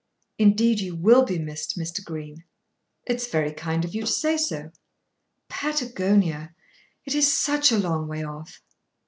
"Indeed you will be missed, Mr. Green." "It's very kind of you to say so." "Patagonia! It is such a long way off!"